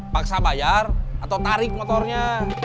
paksa bayar atau tarik motornya